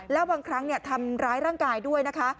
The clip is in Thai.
แล้วบางครั้งทำร้ายร่างกายด้วยนะคะ